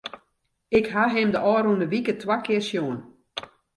Ik ha him de ôfrûne wike twa kear sjoen.